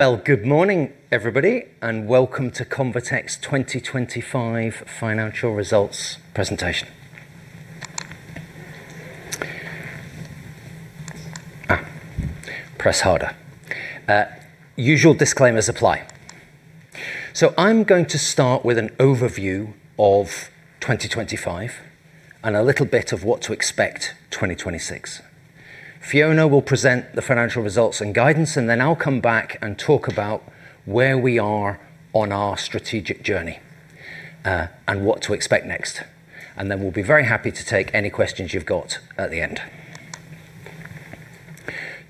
Well, good morning, everybody, and welcome to ConvaTec's 2025 Financial Results presentation. Press harder. Usual disclaimers apply. I'm going to start with an overview of 2025 and a little bit of what to expect 2026. Fiona will present the financial results and guidance, and then I'll come back and talk about where we are on our strategic journey, and what to expect next. Then we'll be very happy to take any questions you've got at the end.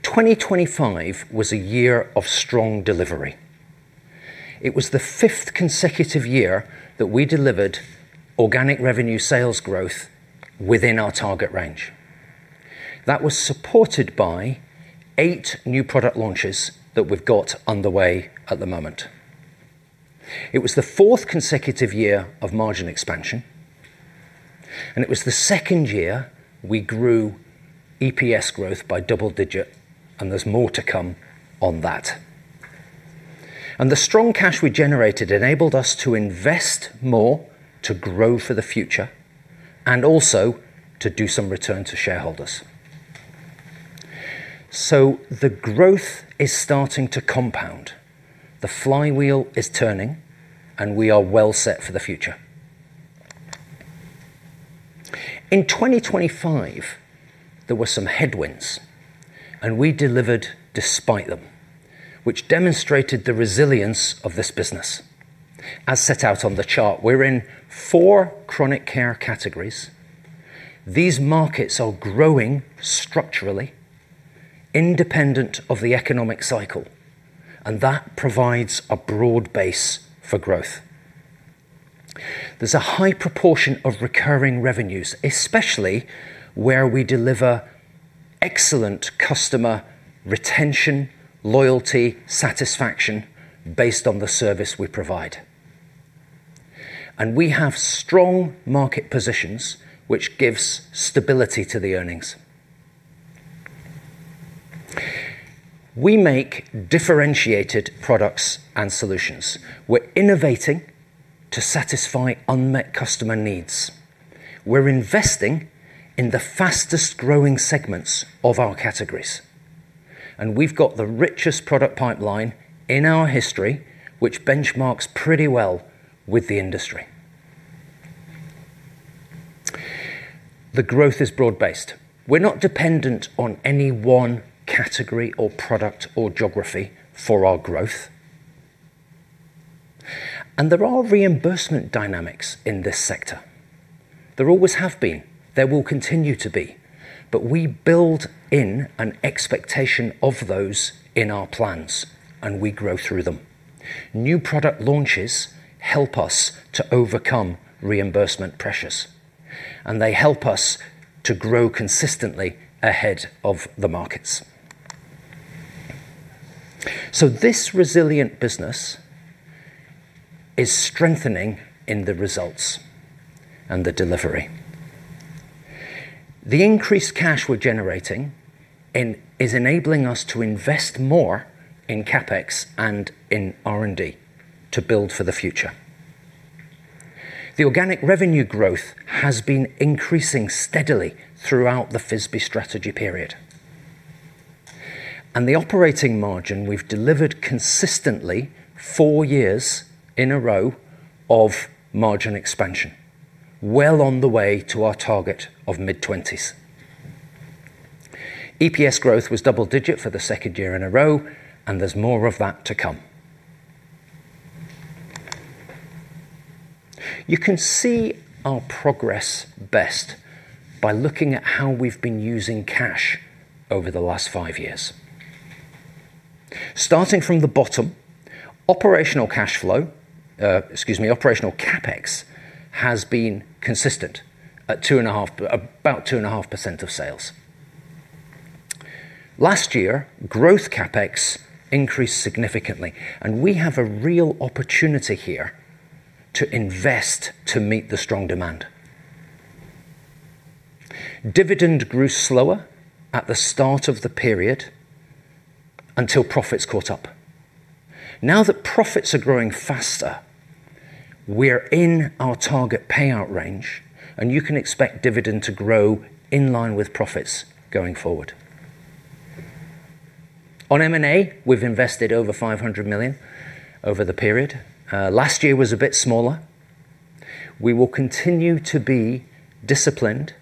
2025 was a year of strong delivery. It was the 5th consecutive year that we delivered organic revenue sales growth within our target range. That was supported by 8 new product launches that we've got underway at the moment. It was the fourth consecutive year of margin expansion. It was the second year we grew EPS growth by double-digit, and there's more to come on that. The strong cash we generated enabled us to invest more, to grow for the future, and also to do some return to shareholders. The growth is starting to compound. The flywheel is turning, and we are well set for the future. In 2025, there were some headwinds. We delivered despite them, which demonstrated the resilience of this business. As set out on the chart, we're in four chronic care categories. These markets are growing structurally, independent of the economic cycle. That provides a broad base for growth. There's a high proportion of recurring revenues, especially where we deliver excellent customer retention, loyalty, satisfaction based on the service we provide. We have strong market positions, which gives stability to the earnings. We make differentiated products and solutions. We're innovating to satisfy unmet customer needs. We're investing in the fastest growing segments of our categories, and we've got the richest product pipeline in our history, which benchmarks pretty well with the industry. The growth is broad-based. We're not dependent on any one category, or product, or geography for our growth. There are reimbursement dynamics in this sector. There always have been. There will continue to be. We build in an expectation of those in our plans, and we grow through them. New product launches help us to overcome reimbursement pressures, and they help us to grow consistently ahead of the markets. This resilient business is strengthening in the results and the delivery. The increased cash we're generating is enabling us to invest more in CapEx and in R&D to build for the future. The organic revenue growth has been increasing steadily throughout the FISB strategy period. The operating margin, we've delivered consistently 4 years in a row of margin expansion, well on the way to our target of mid-twenties. EPS growth was double-digit for the second year in a row, there's more of that to come. You can see our progress best by looking at how we've been using cash over the last 5 years. Starting from the bottom, operational cash flow, excuse me, operational CapEx has been consistent at about 2.5% of sales. Last year, growth CapEx increased significantly, we have a real opportunity here to invest to meet the strong demand. Dividend grew slower at the start of the period until profits caught up. Now that profits are growing faster, we're in our target payout range, you can expect dividend to grow in line with profits going forward. On M&A, we've invested over $500 million over the period. Last year was a bit smaller. We will continue to be disciplined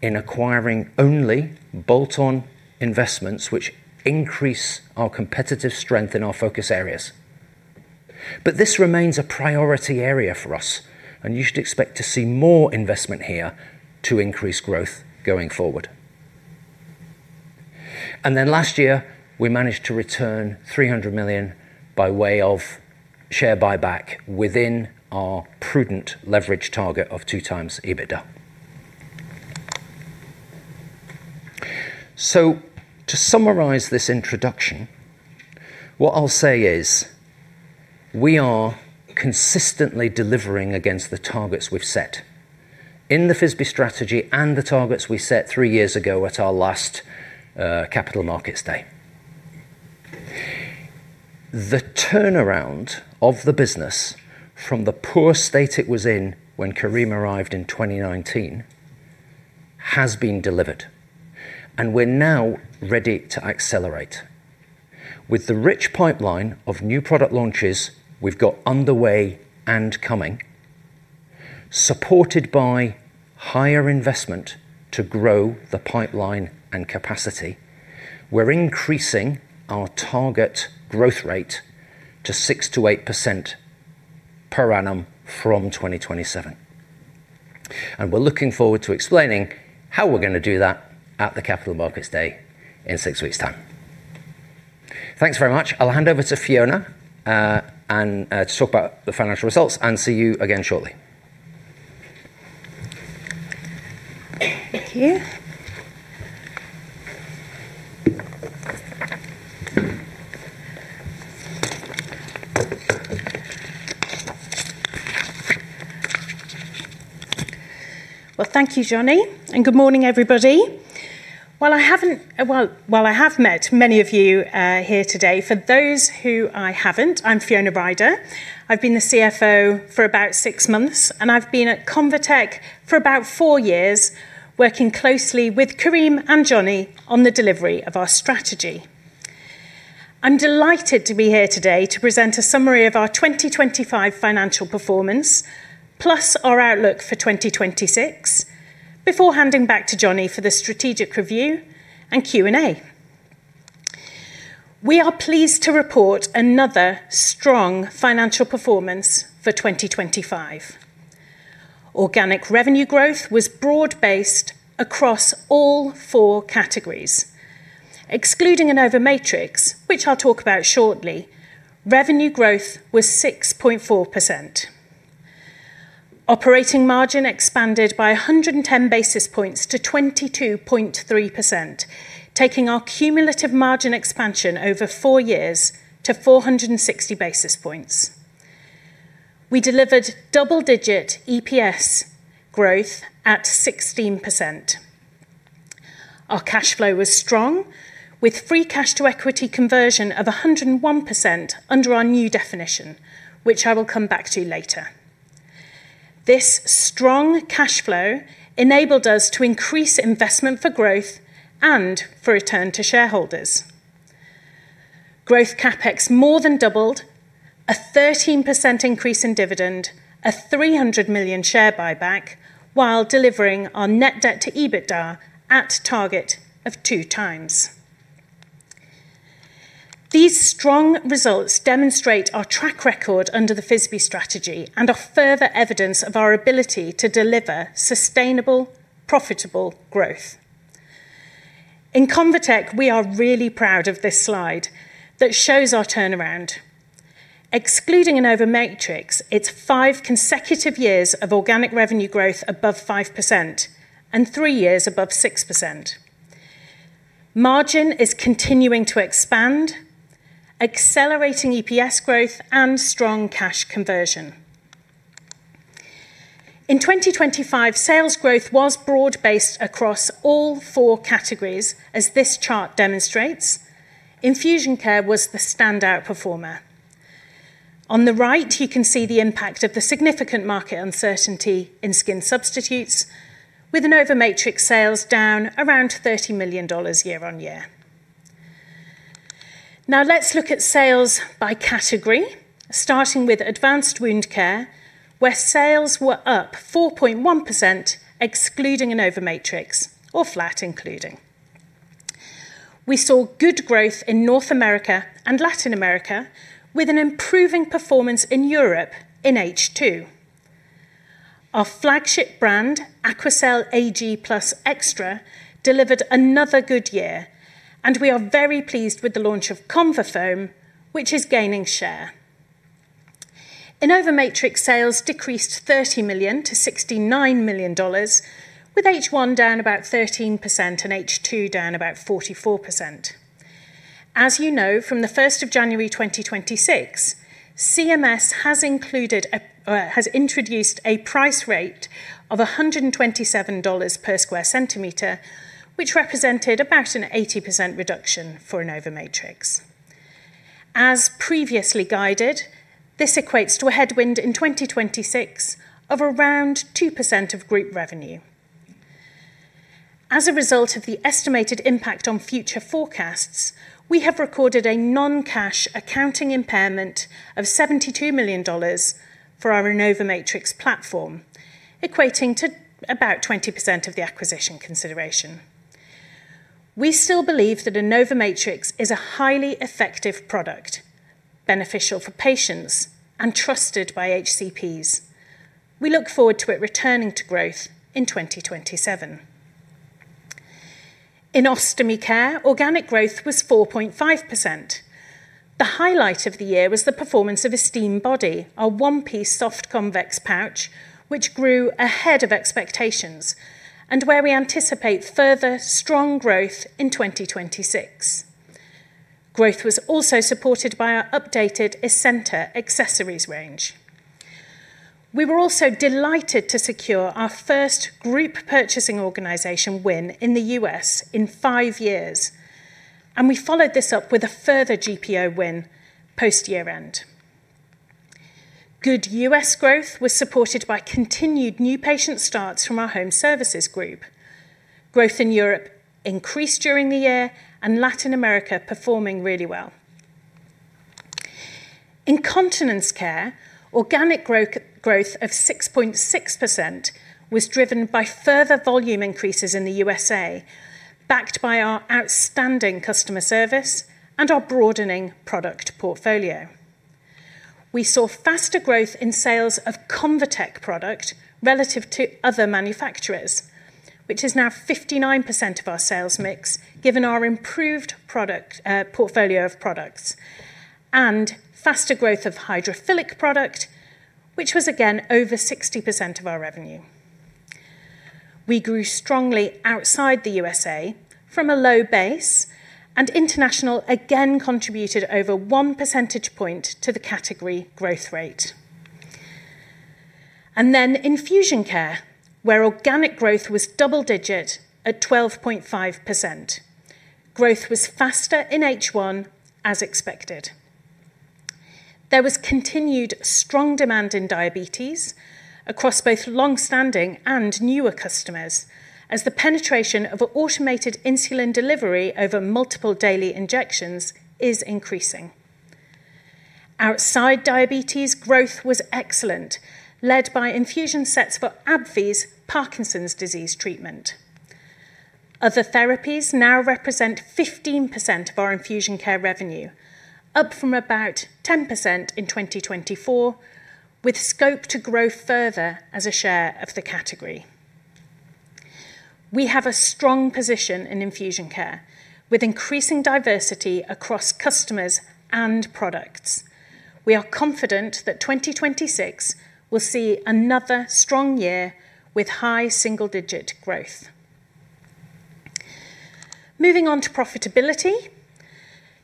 in acquiring only bolt-on investments, which increase our competitive strength in our focus areas. This remains a priority area for us, you should expect to see more investment here to increase growth going forward. Last year, we managed to return $300 million by way of share buyback within our prudent leverage target of two times EBITDA. To summarize this introduction, what I'll say is... We are consistently delivering against the targets we've set in the FISB strategy and the targets we set three years ago at our last Capital Markets Day. The turnaround of the business from the poor state it was in when Karim arrived in 2019 has been delivered, and we're now ready to accelerate. With the rich pipeline of new product launches we've got underway and coming, supported by higher investment to grow the pipeline and capacity, we're increasing our target growth rate to 6%-8% per annum from 2027. We're looking forward to explaining how we're gonna do that at the Capital Markets Day in six weeks' time. Thanks very much. I'll hand over to Fiona and to talk about the financial results, and see you again shortly. Thank you. Well, thank you, Jonny. Good morning, everybody. Well, I have met many of you here today. For those who I haven't, I'm Fiona Ryder. I've been the CFO for about 6 months, and I've been at ConvaTec for about 4 years, working closely with Karim and Jonny on the delivery of our strategy. I'm delighted to be here today to present a summary of our 2025 financial performance, plus our outlook for 2026, before handing back to Jonny for the strategic review and Q&A. We are pleased to report another strong financial performance for 2025. Organic revenue growth was broad-based across all 4 categories. Excluding InnovaMatrix, which I'll talk about shortly, revenue growth was 6.4%. Operating margin expanded by 110 basis points to 22.3%, taking our cumulative margin expansion over four years to 460 basis points. We delivered double-digit EPS growth at 16%. Our cash flow was strong, with free cash to equity conversion of 101% under our new definition, which I will come back to later. This strong cash flow enabled us to increase investment for growth and for return to shareholders. Growth CapEx more than doubled, a 13% increase in dividend, a $300 million share buyback, while delivering our net debt to EBITDA at target of two times. These strong results demonstrate our track record under the FISB strategy and are further evidence of our ability to deliver sustainable, profitable growth. In ConvaTec, we are really proud of this slide that shows our turnaround. Excluding InnovaMatrix, it's 5 consecutive years of organic revenue growth above 5% and 3 years above 6%. Margin is continuing to expand, accelerating EPS growth and strong cash conversion. In 2025, sales growth was broad-based across all 4 categories, as this chart demonstrates. Infusion care was the standout performer. On the right, you can see the impact of the significant market uncertainty in skin substitutes, with InnovaMatrix sales down around $30 million year-over-year. Let's look at sales by category, starting with advanced wound care, where sales were up 4.1%, excluding InnovaMatrix, or flat, including. We saw good growth in North America and Latin America, with an improving performance in Europe in H2. Our flagship brand, AQUACEL Ag+ Extra, delivered another good year, and we are very pleased with the launch of ConvaFoam, which is gaining share. InnovaMatrix sales decreased $30 million to $69 million, with H1 down about 13% and H2 down about 44%. As you know, from the first of January 2026, CMS has introduced a price rate of $127 per square centimeter, which represented about an 80% reduction for InnovaMatrix. As previously guided, this equates to a headwind in 2026 of around 2% of group revenue. As a result of the estimated impact on future forecasts, we have recorded a non-cash accounting impairment of $72 million for our InnovaMatrix platform, equating to about 20% of the acquisition consideration. We still believe that InnovaMatrix is a highly effective product, beneficial for patients and trusted by HCPs. We look forward to it returning to growth in 2027. In ostomy care, organic growth was 4.5%. The highlight of the year was the performance of Esteem Body, our one-piece soft convex pouch, which grew ahead of expectations and where we anticipate further strong growth in 2026. Growth was also supported by our updated Esenta accessories range. We were also delighted to secure our first group purchasing organization win in the U.S. in 5 years. We followed this up with a further GPO win post-year-end. Good U.S. growth was supported by continued new patient starts from our home services group. Growth in Europe increased during the year. Latin America performing really well. In continence care, organic growth of 6.6% was driven by further volume increases in the USA, backed by our outstanding customer service and our broadening product portfolio. We saw faster growth in sales of Convatec product relative to other manufacturers, which is now 59% of our sales mix, given our improved product portfolio of products, and faster growth of hydrophilic product, which was again over 60% of our revenue. We grew strongly outside the USA from a low base, international again contributed over 1 percentage point to the category growth rate. Infusion care, where organic growth was double-digit at 12.5%. Growth was faster in H1, as expected. There was continued strong demand in diabetes across both long-standing and newer customers, as the penetration of automated insulin delivery over multiple daily injections is increasing. Outside diabetes, growth was excellent, led by infusion sets for AbbVie's Parkinson's disease treatment. Other therapies now represent 15% of our infusion care revenue, up from about 10% in 2024, with scope to grow further as a share of the category. We have a strong position in infusion care, with increasing diversity across customers and products. We are confident that 2026 will see another strong year with high single-digit growth. Moving on to profitability.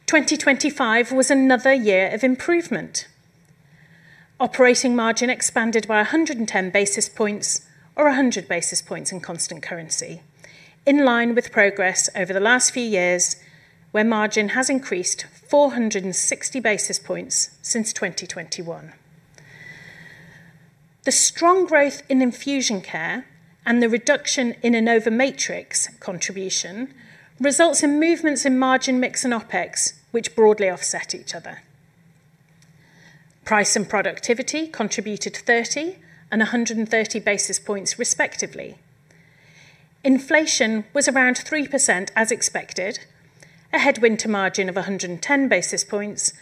2025 was another year of improvement. Operating margin expanded by 110 basis points or 100 basis points in constant currency, in line with progress over the last few years, where margin has increased 460 basis points since 2021. The strong growth in infusion care and the reduction in InnovaMatrix contribution results in movements in margin mix and OpEx, which broadly offset each other. Price and productivity contributed 30 and 130 basis points, respectively. Inflation was around 3%, as expected, a headwind to margin of 110 basis points.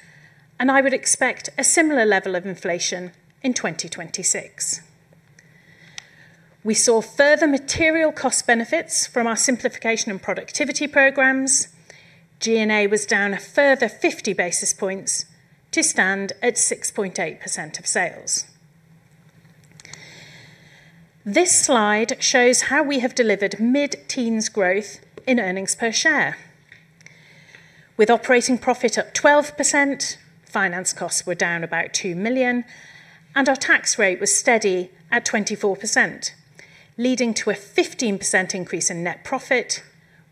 I would expect a similar level of inflation in 2026. We saw further material cost benefits from our simplification and productivity programs. GNA was down a further 50 basis points to stand at 6.8% of sales. This slide shows how we have delivered mid-teens growth in earnings per share. With operating profit up 12%, finance costs were down about $2 million. Our tax rate was steady at 24%, leading to a 15% increase in net profit,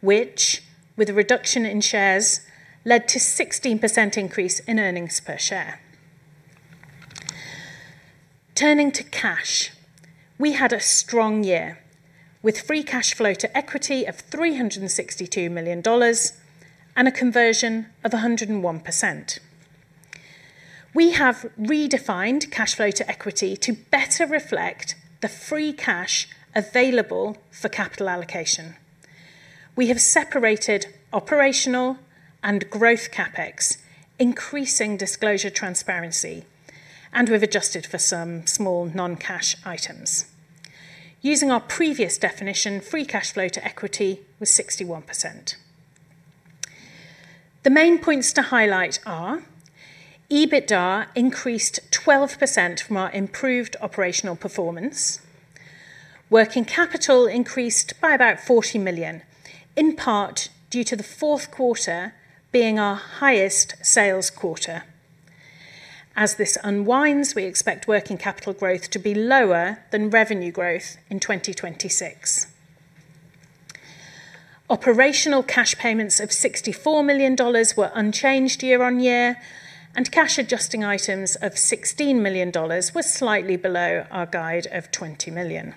which, with a reduction in shares, led to 16% increase in earnings per share. Turning to cash, we had a strong year, with free cash flow to equity of $362 million and a conversion of 101%. We have redefined cash flow to equity to better reflect the free cash available for capital allocation. We have separated operational and growth CapEx, increasing disclosure transparency, we've adjusted for some small non-cash items. Using our previous definition, free cash flow to equity was 61%. The main points to highlight are: EBITDA increased 12% from our improved operational performance. Working capital increased by about $40 million, in part due to the fourth quarter being our highest sales quarter. As this unwinds, we expect working capital growth to be lower than revenue growth in 2026. Operational cash payments of $64 million were unchanged year-over-year, cash adjusting items of $16 million were slightly below our guide of $20 million.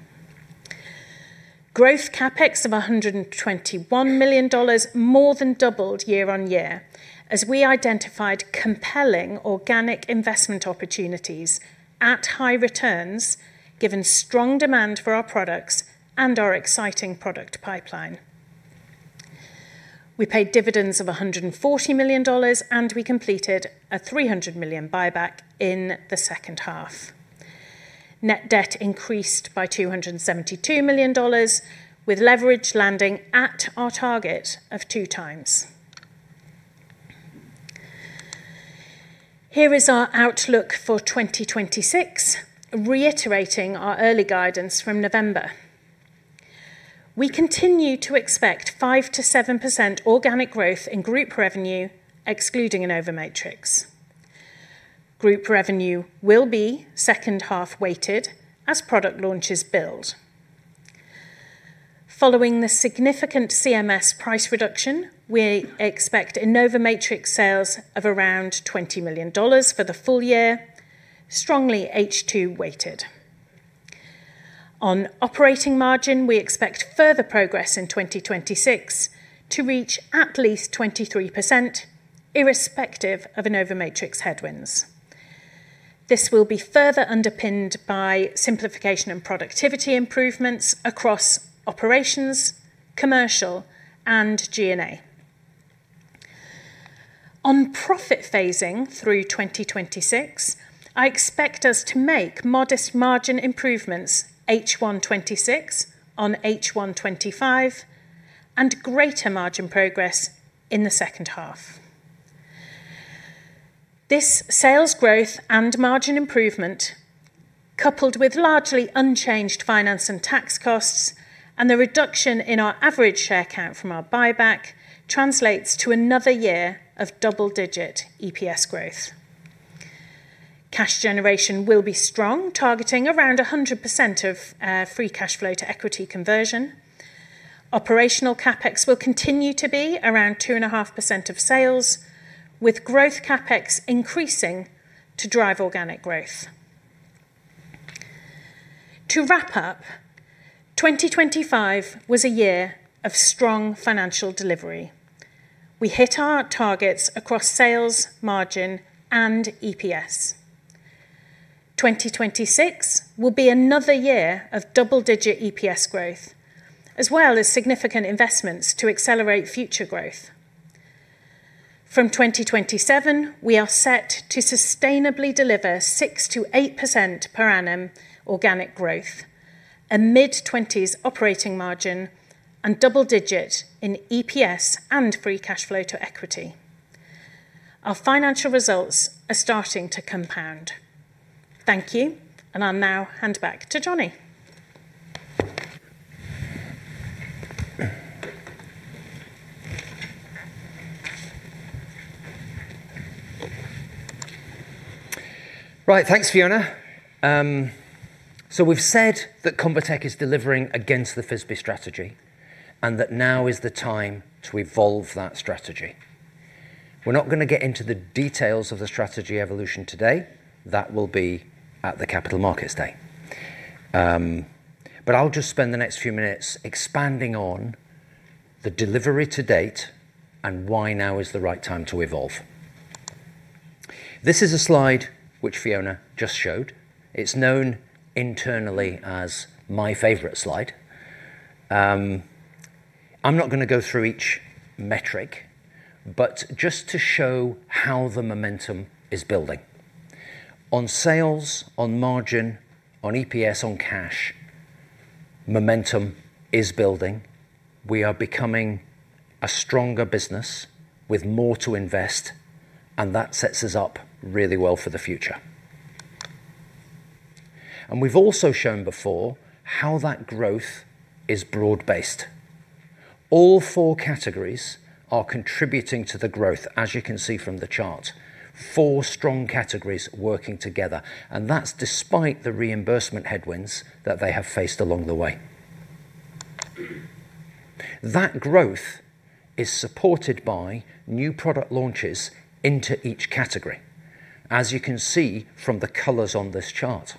Growth CapEx of $121 million more than doubled year-on-year, as we identified compelling organic investment opportunities at high returns, given strong demand for our products and our exciting product pipeline. We paid dividends of $140 million, we completed a $300 million buyback in the second half. Net debt increased by $272 million, with leverage landing at our target of two times. Here is our outlook for 2026, reiterating our early guidance from November. We continue to expect 5%-7% organic growth in group revenue, excluding an InnovaMatrix. Group revenue will be second half weighted as product launches build. Following the significant CMS price reduction, we expect InnovaMatrix sales of around $20 million for the full year, strongly H2 weighted. On operating margin, we expect further progress in 2026 to reach at least 23%, irrespective of InnovaMatrix headwinds. This will be further underpinned by simplification and productivity improvements across operations, commercial, and GNA. On profit phasing through 2026, I expect us to make modest margin improvements H1 2026 on H1 2025, and greater margin progress in the second half. This sales growth and margin improvement, coupled with largely unchanged finance and tax costs, and the reduction in our average share count from our buyback, translates to another year of double-digit EPS growth. Cash generation will be strong, targeting around 100% of free cash flow to equity conversion. Operational CapEx will continue to be around 2.5% of sales, with growth CapEx increasing to drive organic growth. To wrap up, 2025 was a year of strong financial delivery. We hit our targets across sales, margin, and EPS. 2026 will be another year of double-digit EPS growth, as well as significant investments to accelerate future growth. From 2027, we are set to sustainably deliver 6%-8% per annum organic growth, a mid-twenties operating margin, and double digit in EPS and free cash flow to equity. Our financial results are starting to compound. Thank you, and I'll now hand back to Jonny. Right. Thanks, Fiona. We've said that Convatec is delivering against the FISB strategy, and that now is the time to evolve that strategy. We're not gonna get into the details of the strategy evolution today. That will be at the Capital Markets Day. I'll just spend the next few minutes expanding on the delivery to date and why now is the right time to evolve. This is a slide which Fiona just showed. It's known internally as my favorite slide. I'm not gonna go through each metric, but just to show how the momentum is building. On sales, on margin, on EPS, on cash, momentum is building. We are becoming a stronger business with more to invest, and that sets us up really well for the future. We've also shown before how that growth is broad-based. All four categories are contributing to the growth, as you can see from the chart. Four strong categories working together, That's despite the reimbursement headwinds that they have faced along the way. That growth is supported by new product launches into each category, as you can see from the colors on this chart.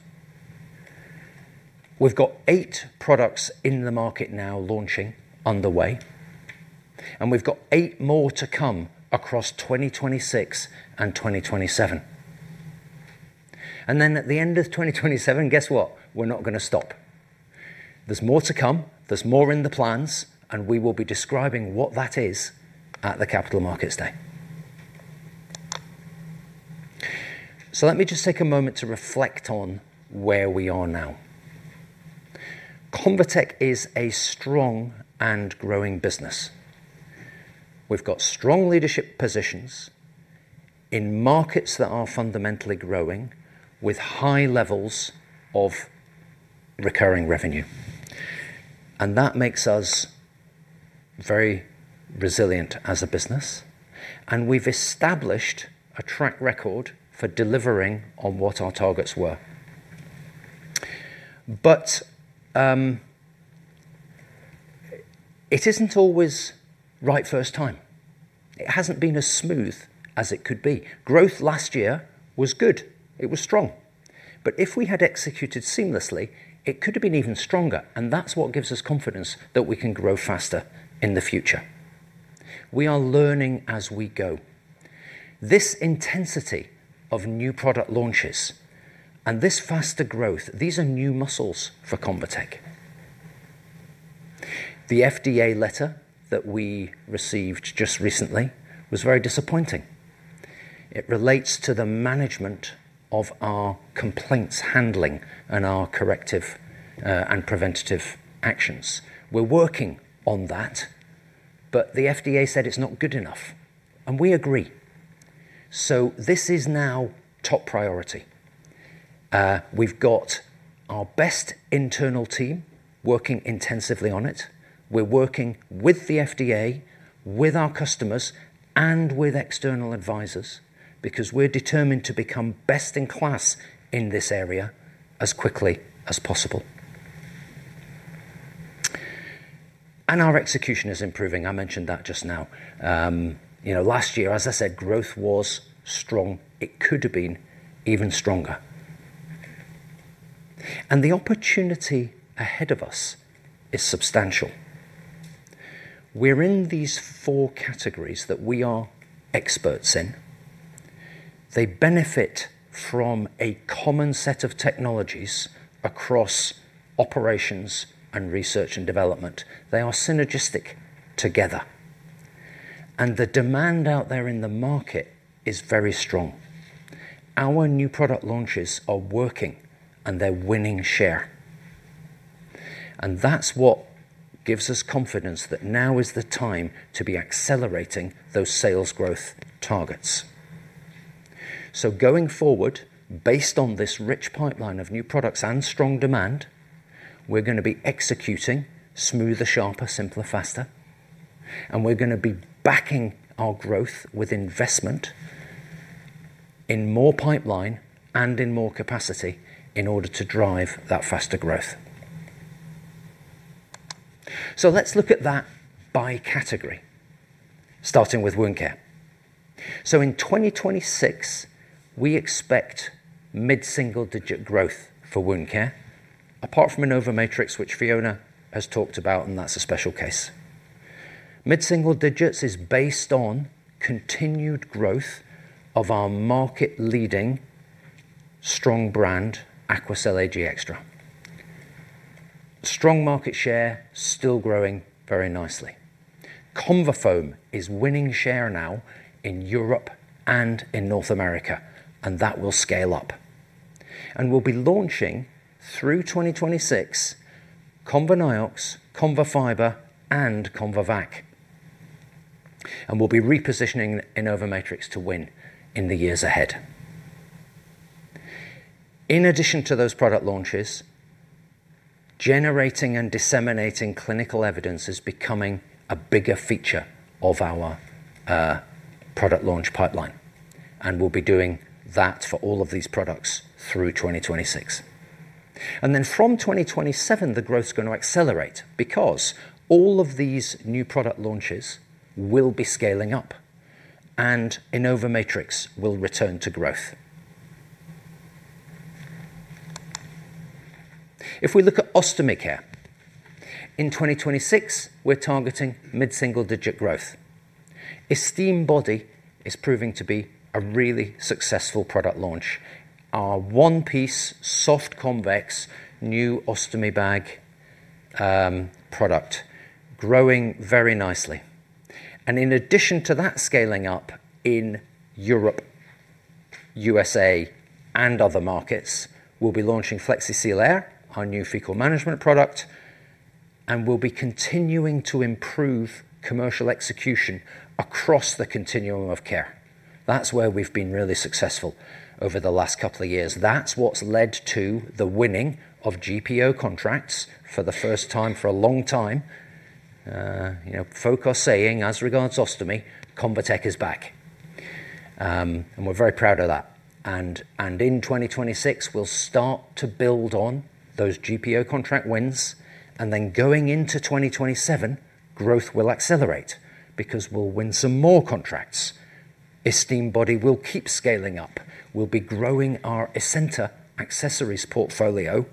We've got eight products in the market now launching on the way, We've got eight more to come across 2026 and 2027. At the end of 2027, guess what? We're not gonna stop. There's more to come, there's more in the plans, We will be describing what that is at the Capital Markets Day. Let me just take a moment to reflect on where we are now. ConvaTec is a strong and growing business. We've got strong leadership positions in markets that are fundamentally growing, with high levels of recurring revenue, and that makes us very resilient as a business, and we've established a track record for delivering on what our targets were. It isn't always right first time. It hasn't been as smooth as it could be. Growth last year was good. It was strong. If we had executed seamlessly, it could have been even stronger, and that's what gives us confidence that we can grow faster in the future. We are learning as we go. This intensity of new product launches and this faster growth, these are new muscles for Convatec. The FDA letter that we received just recently was very disappointing. It relates to the management of our complaints handling and our corrective and preventative actions. We're working on that. The FDA said it's not good enough, and we agree. This is now top priority. We've got our best internal team working intensively on it. We're working with the FDA, with our customers, and with external advisors, because we're determined to become best in class in this area as quickly as possible. Our execution is improving. I mentioned that just now. You know, last year, as I said, growth was strong. It could have been even stronger. The opportunity ahead of us is substantial. We're in these four categories that we are experts in. They benefit from a common set of technologies across operations and research and development. They are synergistic together, and the demand out there in the market is very strong. Our new product launches are working, and they're winning share. That's what gives us confidence that now is the time to be accelerating those sales growth targets. Going forward, based on this rich pipeline of new products and strong demand, we're gonna be executing smoother, sharper, simpler, faster, and we're gonna be backing our growth with investment in more pipeline and in more capacity in order to drive that faster growth. Let's look at that by category, starting with wound care. In 2026, we expect mid-single digit growth for wound care, apart from InnovaMatrix, which Fiona has talked about, and that's a special case. Mid-single digits is based on continued growth of our market-leading strong brand, AQUACEL Ag+ Extra. Strong market share, still growing very nicely. ConvaFoam is winning share now in Europe and in North America, and that will scale up. We'll be launching, through 2026, ConvaNiox, ConvaFiber, and ConvaVAC, and we'll be repositioning InnovaMatrix to win in the years ahead. In addition to those product launches, generating and disseminating clinical evidence is becoming a bigger feature of our product launch pipeline, and we'll be doing that for all of these products through 2026. From 2027, the growth is gonna accelerate because all of these new product launches will be scaling up, and InnovaMatrix will return to growth. If we look at ostomy care, in 2026, we're targeting mid-single digit growth. Esteem Body is proving to be a really successful product launch. Our one-piece, soft, convex, new ostomy bag product growing very nicely. In addition to that scaling up in Europe, USA, and other markets, we'll be launching Flexi-Seal Air, our new fecal management product, and we'll be continuing to improve commercial execution across the continuum of care. That's where we've been really successful over the last couple of years. That's what's led to the winning of GPO contracts for the first time for a long time. You know, folk are saying, as regards ostomy, Convatec is back, and we're very proud of that. In 2026, we'll start to build on those GPO contract wins, going into 2027, growth will accelerate because we'll win some more contracts. Esteem Body will keep scaling up. We'll be growing our Esenta accessories portfolio,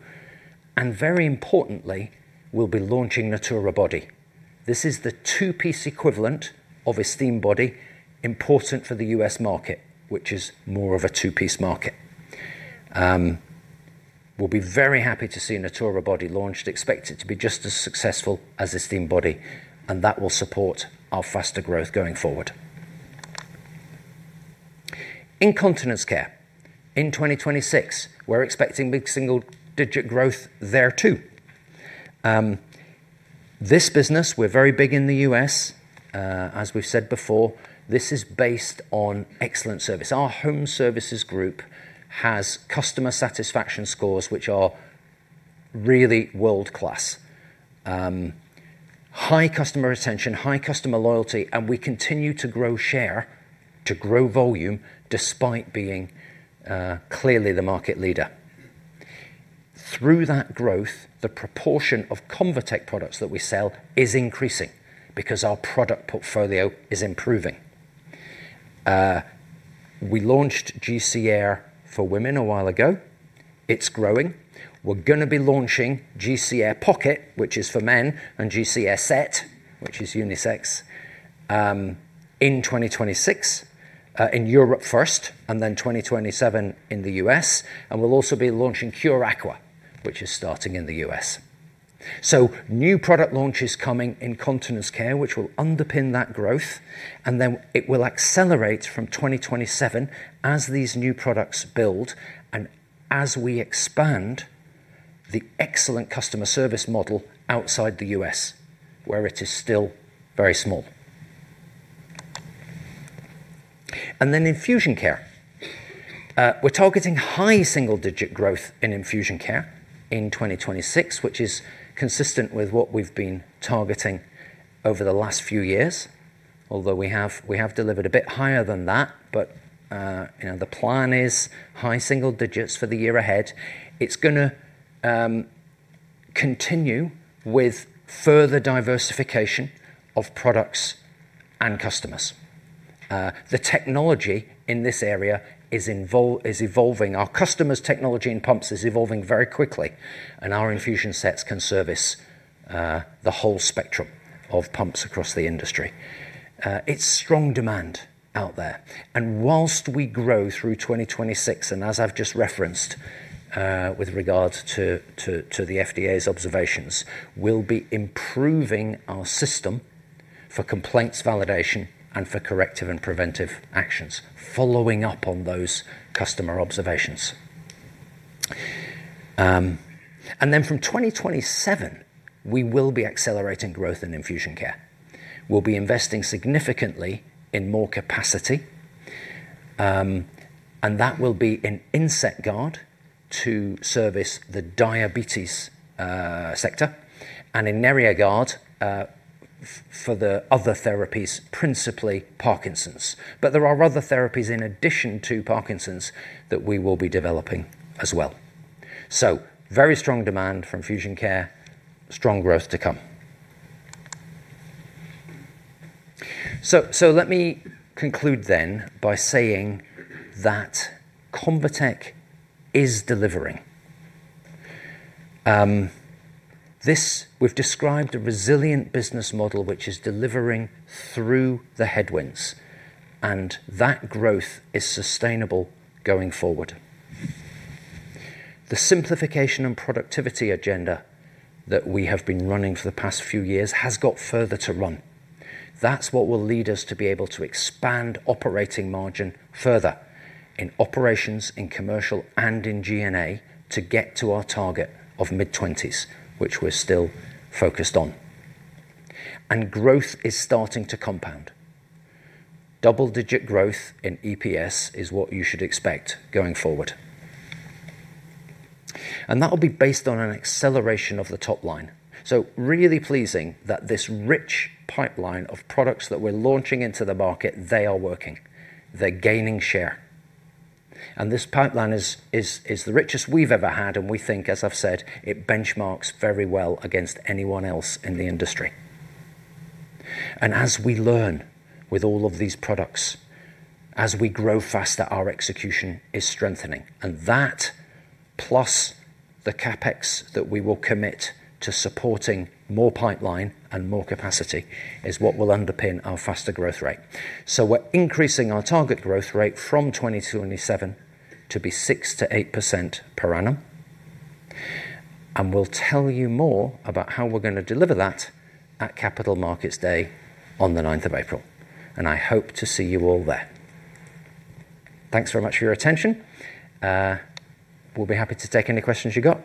and very importantly, we'll be launching Natura Body. This is the two-piece equivalent of Esteem Body, important for the U.S. market, which is more of a two-piece market. We'll be very happy to see Natura Body launched, expect it to be just as successful as Esteem Body, and that will support our faster growth going forward. Incontinence care. In 2026, we're expecting mid-single digit growth there, too. This business, we're very big in the U.S. As we've said before, this is based on excellent service. Our home services group has customer satisfaction scores, which are really world-class. High customer retention, high customer loyalty, and we continue to grow share, to grow volume, despite being clearly the market leader. Through that growth, the proportion of Convatec products that we sell is increasing because our product portfolio is improving. We launched GC Air for Women a while ago. It's growing. We're gonna be launching GC Air Pocket, which is for men, and GC Air Set, which is unisex, in 2026, in Europe first, then 2027 in the U.S. We'll also be launching Cure Aqua, which is starting in the U.S. New product launches coming in continence care, which will underpin that growth, and then it will accelerate from 2027 as these new products build and as we expand the excellent customer service model outside the U.S., where it is still very small. Then Infusion Care. We're targeting high single-digit growth in Infusion Care in 2026, which is consistent with what we've been targeting over the last few years. Although we have delivered a bit higher than that, but, you know, the plan is high single digits for the year ahead. It's gonna continue with further diversification of products and customers. The technology in this area is evolving. Our customers' technology and pumps is evolving very quickly, and our infusion sets can service the whole spectrum of pumps across the industry. It's strong demand out there. Whilst we grow through 2026, and as I've just referenced, with regards to the FDA's observations, we'll be improving our system for complaints validation and for corrective and preventive actions, following up on those customer observations. From 2027, we will be accelerating growth in Infusion Care. We'll be investing significantly in more capacity, and that will be in Inset Guard to service the diabetes sector, and in Neria Guard for the other therapies, principally Parkinson's. There are other therapies in addition to Parkinson's that we will be developing as well. Very strong demand from Infusion Care, strong growth to come. Let me conclude then by saying that Convatec is delivering. This, we've described a resilient business model which is delivering through the headwinds, and that growth is sustainable going forward. The simplification and productivity agenda that we have been running for the past few years has got further to run. That's what will lead us to be able to expand operating margin further in operations, in commercial, and in GNA to get to our target of mid-twenties, which we're still focused on. Growth is starting to compound. Double-digit growth in EPS is what you should expect going forward. That will be based on an acceleration of the top line. Really pleasing that this rich pipeline of products that we're launching into the market, they are working. They're gaining share. This pipeline is the richest we've ever had, and we think, as I've said, it benchmarks very well against anyone else in the industry. As we learn with all of these products, as we grow faster, our execution is strengthening. That, plus the CapEx that we will commit to supporting more pipeline and more capacity, is what will underpin our faster growth rate. We're increasing our target growth rate from 22 and 27, to be 6% to 8% per annum. We'll tell you more about how we're gonna deliver that at Capital Markets Day on the 9th of April, and I hope to see you all there. Thanks very much for your attention. We'll be happy to take any questions you got.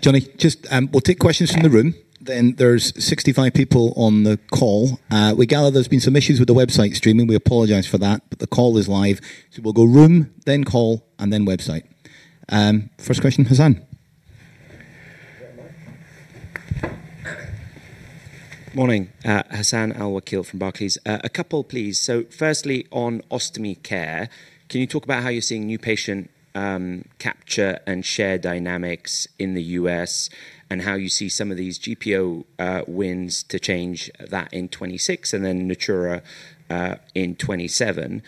Jonny, just, we'll take questions from the room, then there's 65 people on the call. We gather there's been some issues with the website streaming. We apologize for that, but the call is live. We'll go room, then call, and then website. First question, Hassan. Good morning, Hassan Al-Wakeel from Barclays. A couple, please. Firstly, on Ostomy Care, can you talk about how you're seeing new patient capture and share dynamics in the U.S., and how you see some of these GPO wins to change that in 2026 and then Natura in 2027?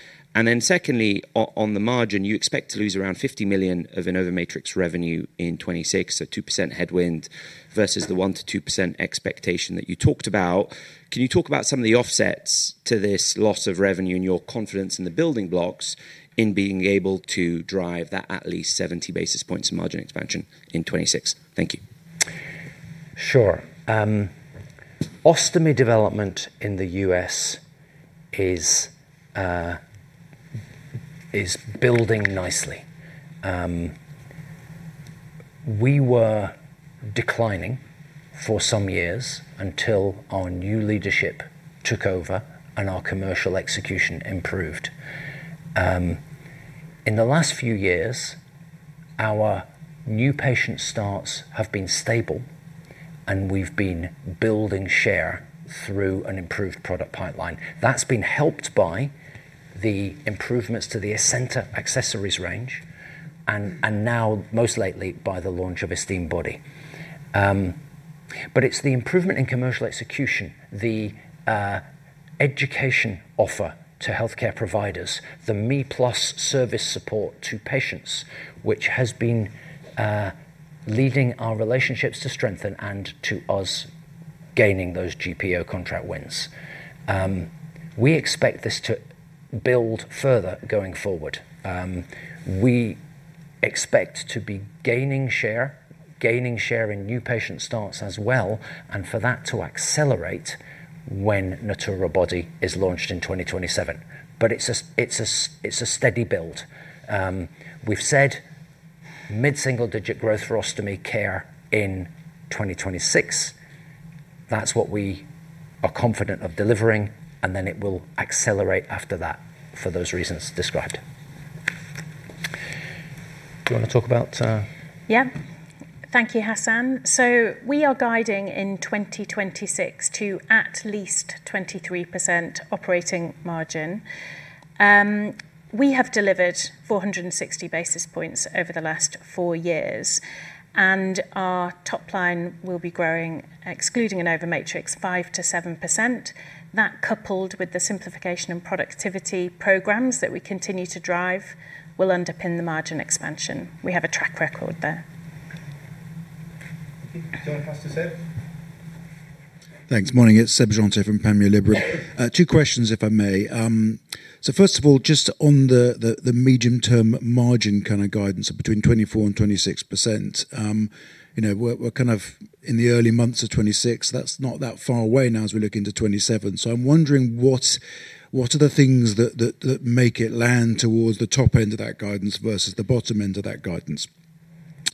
Secondly, on the margin, you expect to lose around $50 million of InnovaMatrix revenue in 2026, a 2% headwind versus the 1%-2% expectation that you talked about. Can you talk about some of the offsets to this loss of revenue and your confidence in the building blocks in being able to drive that at least 70 basis points in margin expansion in 2026? Thank you. Sure. Ostomy development in the U.S. is building nicely. We were declining for some years until our new leadership took over, and our commercial execution improved. In the last few years, our new patient starts have been stable, and we've been building share through an improved product pipeline. That's been helped by the improvements to the ESENTA accessories range and now most lately by the launch of Esteem Body. It's the improvement in commercial execution, the education offer to healthcare providers, the me+ service support to patients, which has been leading our relationships to strengthen and to us gaining those GPO contract wins. We expect this to build further going forward. We expect to be gaining share in new patient starts as well, and for that to accelerate when Natura Body is launched in 2027. It's a steady build. We've said mid-single-digit growth for ostomy care in 2026. That's what we are confident of delivering, and then it will accelerate after that for those reasons described. Do you wanna talk about? Yeah. Thank you, Hassan. We are guiding in 2026 to at least 23% operating margin. We have delivered 460 basis points over the last four years, and our top line will be growing, excluding InnovaMatrix, 5%-7%. That, coupled with the simplification and productivity programs that we continue to drive, will underpin the margin expansion. We have a track record there. Okay. Do you want to pass to Seb? Thanks. Morning, it's Sebastien Jantet from Panmure Gordon. questions, if I may. First of all, just on the medium-term margin kind of guidance between 24% and 26%, you know, we're kind of in the early months of 2026. That's not that far away now as we look into 2027. I'm wondering what are the things that make it land towards the top end of that guidance versus the bottom end of that guidance?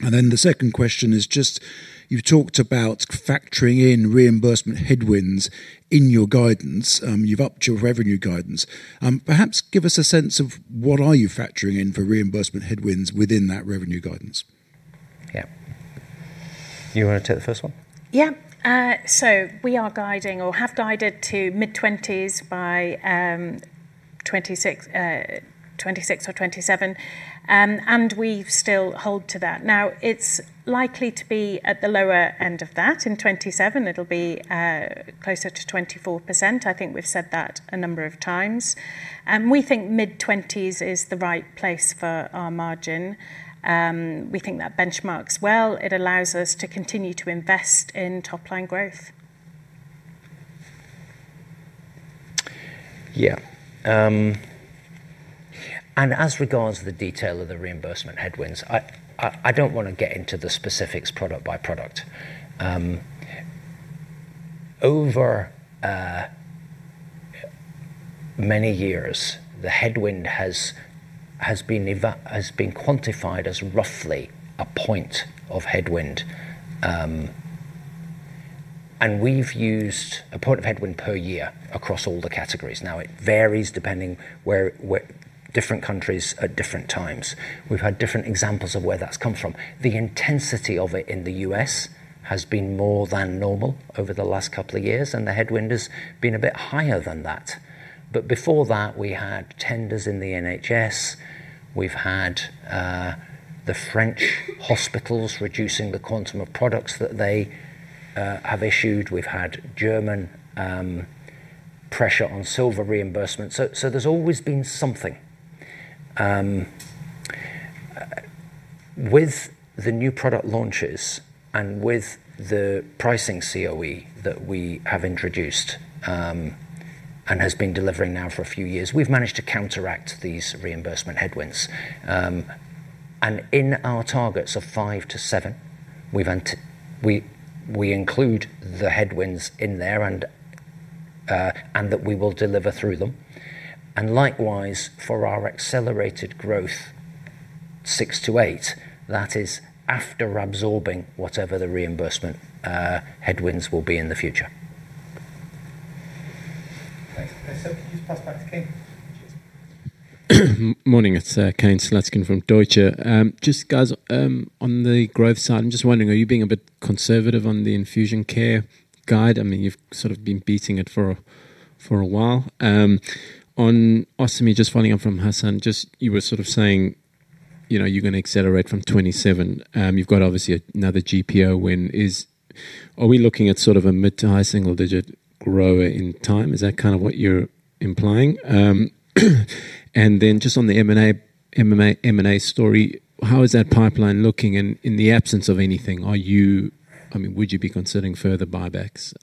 The second question is just, you've talked about factoring in reimbursement headwinds in your guidance, you've upped your revenue guidance. Perhaps give us a sense of what are you factoring in for reimbursement headwinds within that revenue guidance? Yeah. You wanna take the first one? Yeah. We are guiding or have guided to mid-20s by 2026 or 2027, we still hold to that. Now, it's likely to be at the lower end of that. In 2027, it'll be closer to 24%. I think we've said that a number of times. We think mid-20s is the right place for our margin, we think that benchmarks well, it allows us to continue to invest in top-line growth. Yeah, as regards to the detail of the reimbursement headwinds, I don't wanna get into the specifics product by product. Over many years, the headwind has been quantified as roughly a point of headwind, and we've used a point of headwind per year across all the categories. Now, it varies depending where different countries at different times. We've had different examples of where that's come from. The intensity of it in the U.S. has been more than normal over the last couple of years, and the headwind has been a bit higher than that. Before that, we had tenders in the NHS. We've had the French hospitals reducing the quantum of products that they have issued. We've had German pressure on silver reimbursement. There's always been something. With the new product launches and with the pricing COE that we have introduced, and has been delivering now for a few years, we've managed to counteract these reimbursement headwinds. In our targets of 5-7, we include the headwinds in there and that we will deliver through them. Likewise, for our accelerated growth, 6-8, that is after absorbing whatever the reimbursement headwinds will be in the future. Thanks. Can you just pass back to Kane? Cheers. Morning, it's Kane Slutzkin from Deutsche. Just guys, on the growth side, I'm just wondering, are you being a bit conservative on the infusion care guide? I mean, you've sort of been beating it for a while. On ostomy, following up from Hassan, you were sort of saying, you know, you're gonna accelerate from 27. You've got obviously another GPO win. Are we looking at sort of a mid to high single digit grower in time? Is that kind of what you're implying? On the M&A story, how is that pipeline looking and in the absence of anything, I mean, would you be considering further buybacks,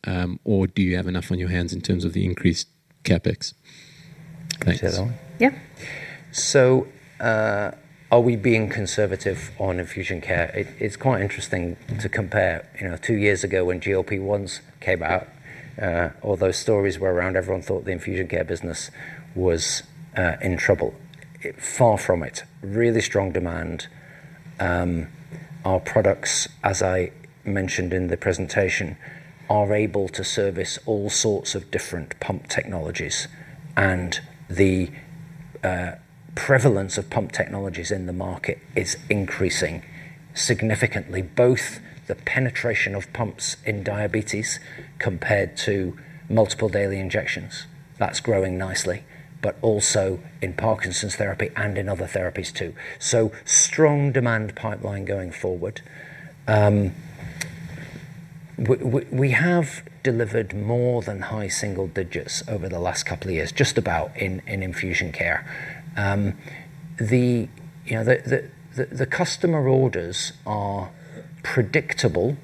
or do you have enough on your hands in terms of the increased CapEx? Thanks. Take that one. Yeah. Are we being conservative on infusion care? It's quite interesting to compare. You know, two years ago when GLP-1s came out, all those stories were around, everyone thought the infusion care business was in trouble. Far from it, really strong demand. Our products, as I mentioned in the presentation, are able to service all sorts of different pump technologies, and the prevalence of pump technologies in the market is increasing significantly, both the penetration of pumps in diabetes compared to multiple daily injections. That's growing nicely, but also in Parkinson's therapy and in other therapies, too. Strong demand pipeline going forward. We have delivered more than high single digits over the last couple of years, just about in infusion care. The, you know, the customer orders are predictable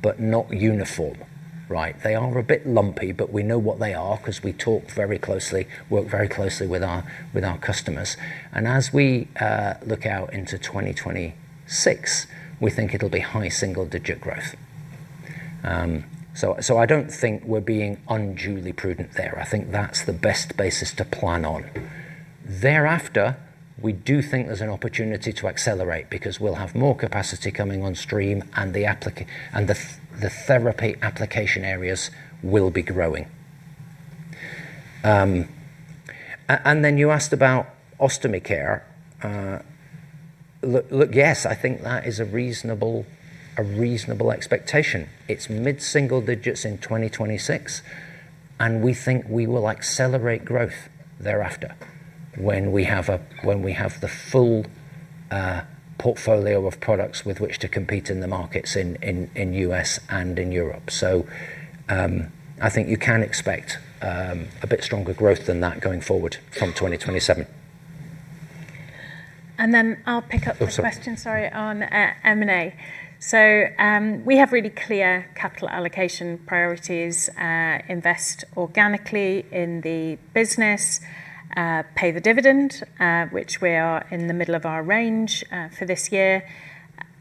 but not uniform. Right. They are a bit lumpy, but we know what they are because we talk very closely, work very closely with our, with our customers. As we look out into 2026, we think it'll be high single-digit growth. I don't think we're being unduly prudent there. I think that's the best basis to plan on. Thereafter, we do think there's an opportunity to accelerate because we'll have more capacity coming on stream, and the therapy application areas will be growing. You asked about ostomy care. Look, yes, I think that is a reasonable, a reasonable expectation. It's mid-single digits in 2026. We think we will accelerate growth thereafter when we have the full portfolio of products with which to compete in the markets in U.S. and in Europe. I think you can expect a bit stronger growth than that going forward from 2027. I'll pick up the question- Oh, sorry. Sorry, on M&A. We have really clear capital allocation priorities: invest organically in the business, pay the dividend, which we are in the middle of our range for this year.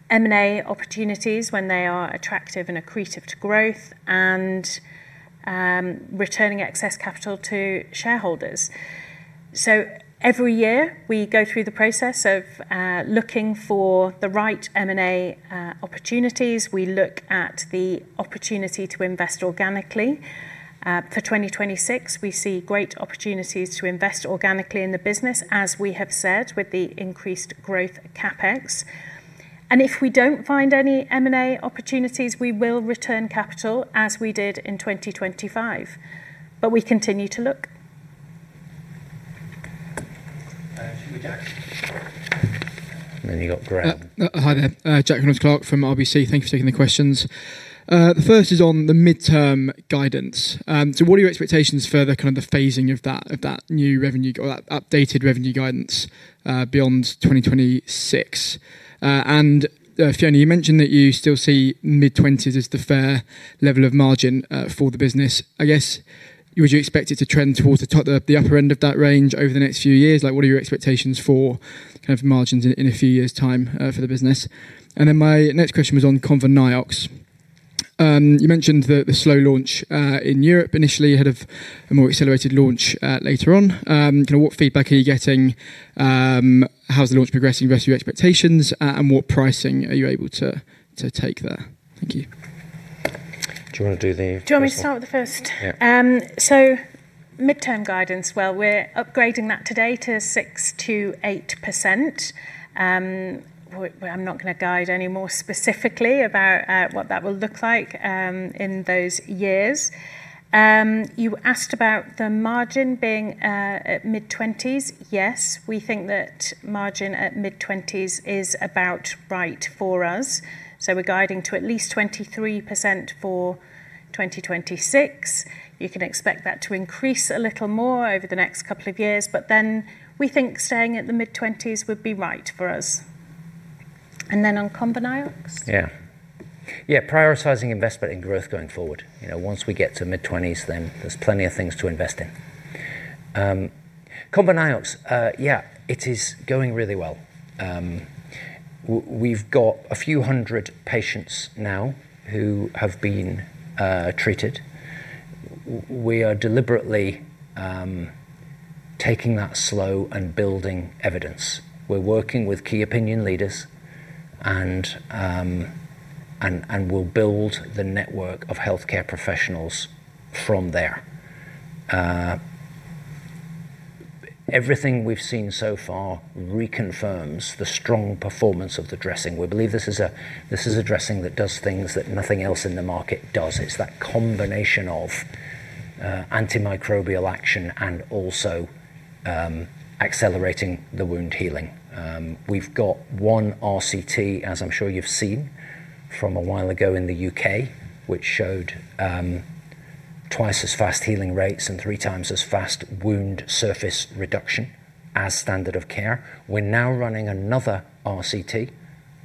M&A opportunities when they are attractive and accretive to growth and returning excess capital to shareholders. Every year, we go through the process of looking for the right M&A opportunities. We look at the opportunity to invest organically. For 2026, we see great opportunities to invest organically in the business, as we have said, with the increased growth CapEx. If we don't find any M&A opportunities, we will return capital as we did in 2025, but we continue to look. Should we Jack? You got Graham. Hi there. Jack Reynolds-Clark from RBC. Thank you for taking the questions. The first is on the midterm guidance. What are your expectations for the kind of the phasing of that, of that new revenue or that updated revenue guidance beyond 2026? Fiona, you mentioned that you still see mid-20s as the fair level of margin for the business. I guess, would you expect it to trend towards the top, the upper end of that range over the next few years? What are your expectations for kind of margins in a few years time for the business? My next question was on ConvaNiox. You mentioned the slow launch in Europe, initially ahead of a more accelerated launch later on. Kind of what feedback are you getting? How's the launch progressing versus your expectations, and what pricing are you able to take there? Thank you. Do you want to do the first one? Do you want me to start with the first? Yeah. Midterm guidance, we're upgrading that today to 6%-8%. I'm not going to guide any more specifically about what that will look like in those years. You asked about the margin being at mid-20s. Yes, we think that margin at mid-20s is about right for us. We're guiding to at least 23% for 2026. You can expect that to increase a little more over the next couple of years, we think staying at the mid-20s would be right for us. On ConvaNiox? Yeah, prioritizing investment in growth going forward. You know, once we get to mid-20s, there's plenty of things to invest in. ConvaNiox, yeah, it is going really well. We've got a few hundred patients now who have been treated. We are deliberately taking that slow and building evidence. We're working with key opinion leaders and we'll build the network of healthcare professionals from there. Everything we've seen so far reconfirms the strong performance of the dressing. We believe this is a dressing that does things that nothing else in the market does. It's that combination of antimicrobial action and also accelerating the wound healing. We've got 1 RCT, as I'm sure you've seen, from a while ago in the U.K., which showed 2x as fast healing rates and 3x as fast wound surface reduction as standard of care. We're now running another RCT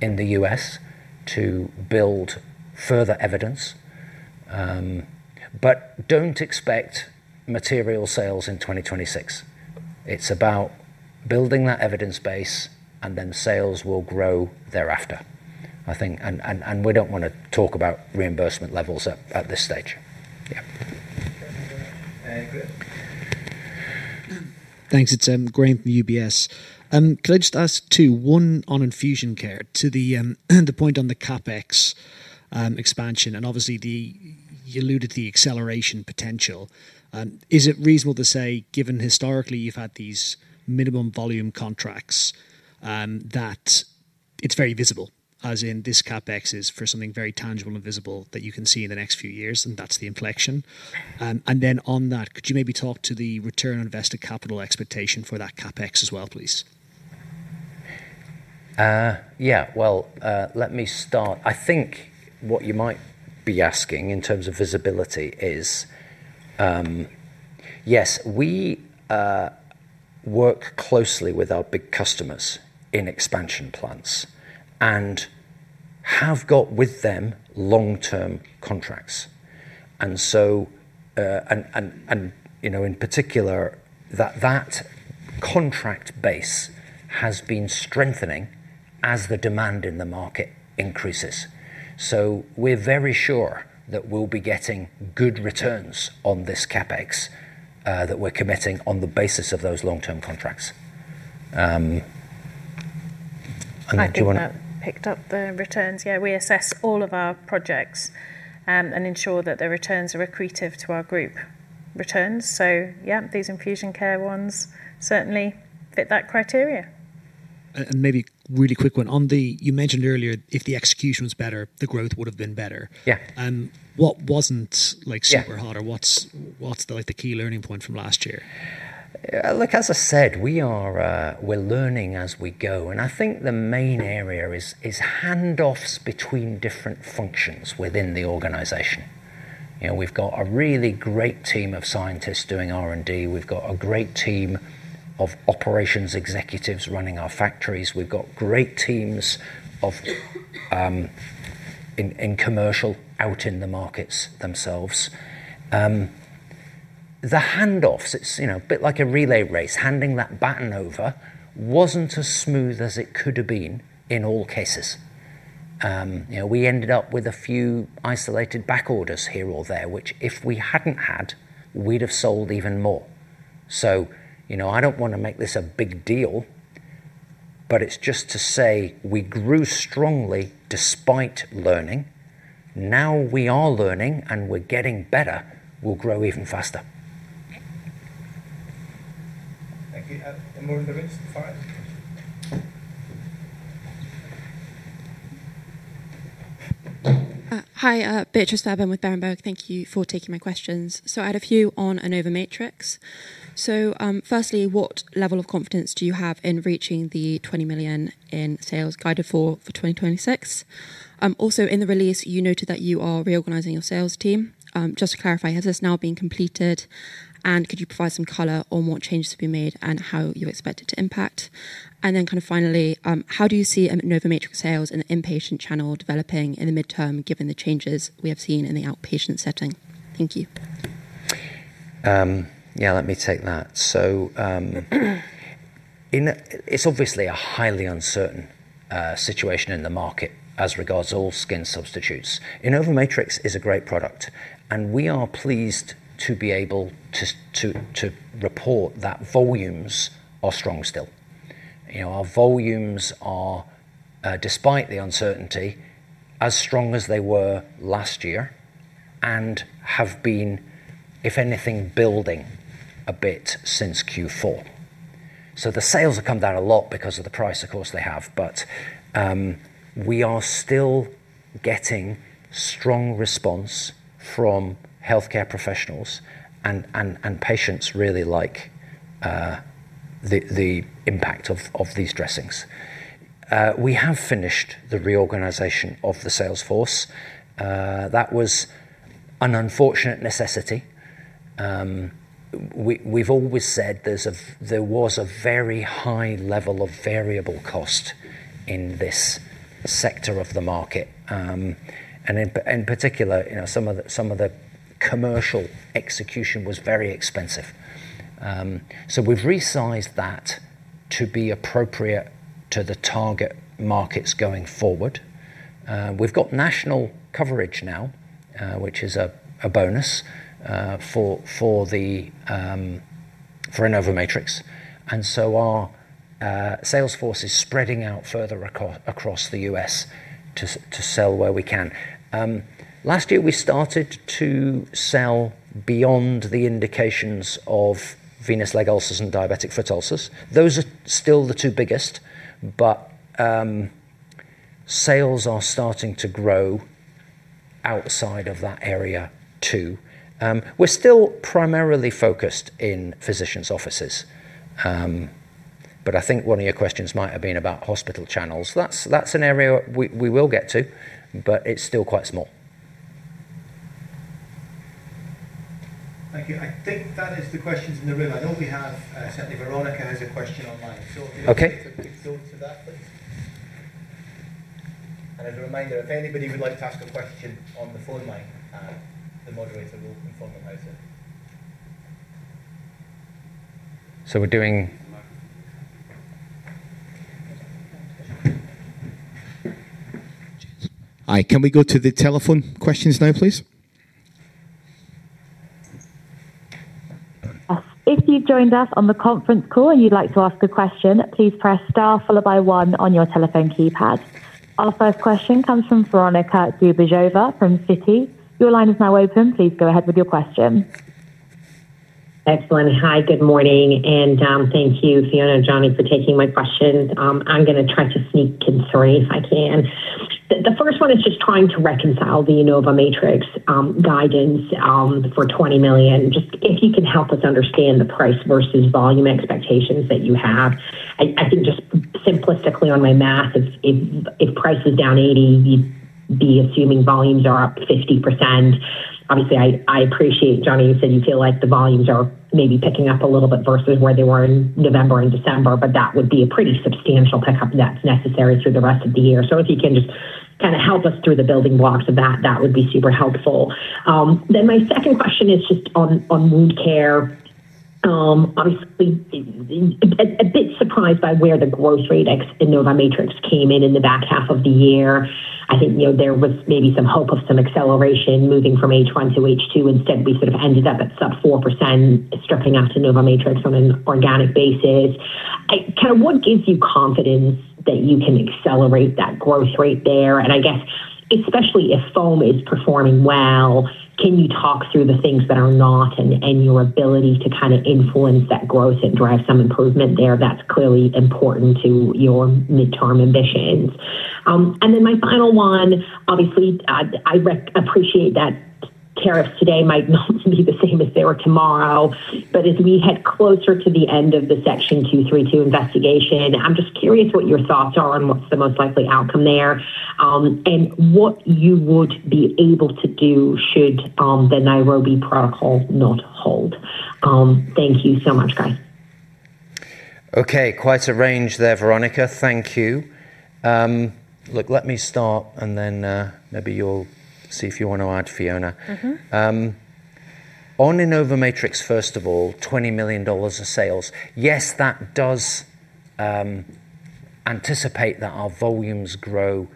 in the U.S. to build further evidence, but don't expect material sales in 2026. It's about building that evidence base, and then sales will grow thereafter, I think. We don't want to talk about reimbursement levels at this stage. Yeah. Graham. Thanks. It's Graham from UBS. Could I just ask two: one, on InfusionCare, to the point on the CapEx, expansion, and obviously, the, you alluded the acceleration potential. Is it reasonable to say, given historically you've had these minimum volume contracts, that it's very visible, as in this CapEx is for something very tangible and visible that you can see in the next few years, and that's the inflection? On that, could you maybe talk to the return on invested capital expectation for that CapEx as well, please? Yeah. Well, let me start. I think what you might be asking in terms of visibility is. Yes, we work closely with our big customers in expansion plans and have got with them long-term contracts. You know, in particular, that contract base has been strengthening as the demand in the market increases. We're very sure that we'll be getting good returns on this CapEx that we're committing on the basis of those long-term contracts. I think I picked up the returns. Yeah, we assess all of our projects, and ensure that the returns are accretive to our group returns. Yeah, these infusion care ones certainly fit that criteria. Maybe really quick one. You mentioned earlier, if the execution was better, the growth would have been better. Yeah. What wasn't, like, super hard- Yeah. What's like the key learning point from last year? Look, as I said, we are, we're learning as we go. I think the main area is handoffs between different functions within the organization. You know, we've got a really great team of scientists doing R&D. We've got a great team of operations executives running our factories. We've got great teams of commercial out in the markets themselves. The handoffs, it's, you know, a bit like a relay race. Handing that baton over wasn't as smooth as it could have been in all cases. You know, we ended up with a few isolated back orders here or there, which, if we hadn't had, we'd have sold even more. You know, I don't wanna make this a big deal, but it's just to say we grew strongly despite learning. Now we are learning, and we're getting better, we'll grow even faster. Thank you. Any more in the room? Fine. Hi, Beatrice Fairbairn with Berenberg. Thank you for taking my questions. I had a few on InnovaMatrix. Firstly, what level of confidence do you have in reaching the $20 million in sales guided for 2026? Also in the release, you noted that you are reorganizing your sales team. Just to clarify, has this now been completed? Could you provide some color on what changes have been made and how you expect it to impact? Finally, how do you see InnovaMatrix sales in the inpatient channel developing in the midterm, given the changes we have seen in the outpatient setting? Thank you. Yeah, let me take that. It's obviously a highly uncertain situation in the market as regards all skin substitutes. InnovaMatrix is a great product, and we are pleased to be able to report that volumes are strong still. You know, our volumes are, despite the uncertainty, as strong as they were last year and have been, if anything, building a bit since Q4. The sales have come down a lot because of the price, of course, they have. We are still getting strong response from healthcare professionals and patients really like the impact of these dressings. We have finished the reorganization of the sales force. That was an unfortunate necessity. We've always said there was a very high level of variable cost in this sector of the market. In particular, you know, some of the commercial execution was very expensive. We've resized that to be appropriate to the target markets going forward. We've got national coverage now, which is a bonus for the InnovaMatrix. Our sales force is spreading out further across the U.S. to sell where we can. Last year, we started to sell beyond the indications of venous leg ulcers and diabetic foot ulcers. Those are still the two biggest, sales are starting to grow outside of that area, too. We're still primarily focused in physicians' offices. I think one of your questions might have been about hospital channels. That's an area we will get to, but it's still quite small. Thank you. I think that is the questions in the room. I know we have, certainly Veronica has a question online. Okay. If you could go to that, please. As a reminder, if anybody would like to ask a question on the phone line, the moderator will inform them how to. we're doing- Hi, can we go to the telephone questions now, please? If you've joined us on the conference call and you'd like to ask a question, please press star followed by one on your telephone keypad. Our first question comes from Veronika Dubajova from Citi. Your line is now open. Please go ahead with your question. Excellent. Hi, good morning. Thank you, Fiona and Jonny, for taking my questions. I'm gonna try to sneak in three, if I can. The first one is just trying to reconcile the InnovaMatrix guidance for $20 million. Just if you can help us understand the price versus volume expectations that you have. I think just simplistically on my math, if price is down 80, you'd be assuming volumes are up 50%. Obviously, I appreciate, Jonny, you said you feel like the volumes are maybe picking up a little bit versus where they were in November and December, but that would be a pretty substantial pickup that's necessary through the rest of the year. If you can just kinda help us through the building blocks of that would be super helpful. My second question is just on wound care. Obviously, a bit surprised by where the growth rate ex in InnovaMatrix came in in the back half of the year. I think, you know, there was maybe some hope of some acceleration moving from H1 to H2. Instead, we sort of ended up at sub 4%, stripping out to InnovaMatrix on an organic basis. Kinda what gives you confidence that you can accelerate that growth rate there? I guess especially if foam is performing well, can you talk through the things that are not, and your ability to kind of influence that growth and drive some improvement there, that's clearly important to your midterm ambitions? My final one, obviously, I appreciate that tariffs today might not be the same as they were tomorrow. As we head closer to the end of the Section 232 investigation, I'm just curious what your thoughts are on what's the most likely outcome there, and what you would be able to do should the Nairobi Protocol not hold. Thank you so much, guys. Quite a range there, Veronica. Thank you. Look, let me start, and then maybe you'll see if you want to add, Fiona. Mm-hmm. On InnovaMatrix, first of all, $20 million in sales. Yes, that does anticipate that our volumes grow